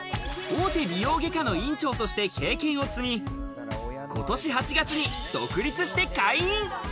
大手美容外科の院長として経験を積み、今年８月に独立して開院。